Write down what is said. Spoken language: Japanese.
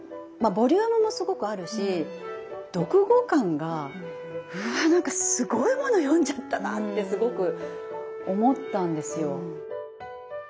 ボリュームもすごくあるし読後感が「うわなんかすごいもの読んじゃったな」ってすごく思ったんですよ。